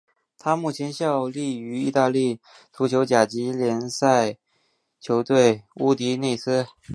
他目前效力于意大利足球甲级联赛球队乌迪内斯。